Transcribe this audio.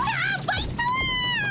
バイト！